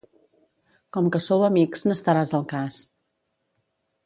Com que sou amics, n'estaràs al cas.